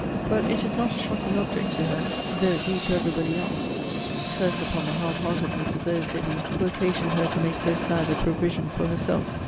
But it is not a shocking object to her, though it be to every body else. Curse upon the hard heartedness of those, said he, who occasioned her to make so sad a provision for herself!